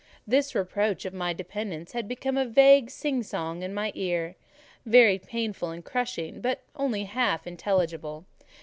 This reproach of my dependence had become a vague sing song in my ear: very painful and crushing, but only half intelligible.